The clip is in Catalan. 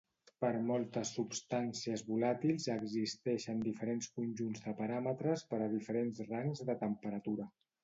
Per moltes substàncies volàtils existeixen diferents conjunts de paràmetres per a diferents rangs de temperatura.